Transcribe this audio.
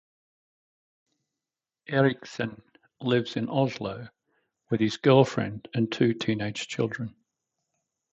Erichsen lives in Oslo with his girlfriend and two teenage children.